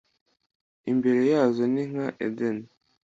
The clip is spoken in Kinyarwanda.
“ Imbere yazo ni nka edeni